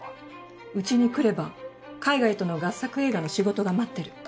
うちに来れば海外との合作映画の仕事が待ってる。